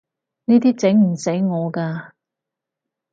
呢啲整唔死我㗎